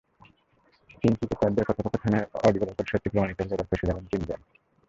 তিন ক্রিকেটারদের কথোপকথনের অডিও রেকর্ড সত্যি প্রমাণিত হলে এবার ফেঁসে যাবেন তিনজন।